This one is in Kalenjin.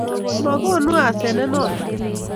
Ma konu hasenet notok